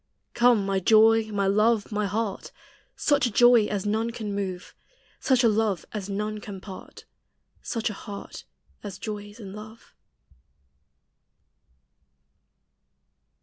Come my joy, my love, my heart! Such a joy as none can move; Such a love as none can part; Such a heart as joys in love.